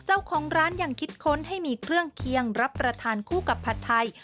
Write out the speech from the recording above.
เจ้าของร้านยังคิดค้นให้มีเครื่องเคียงรับประทานคู่กับผัดไทย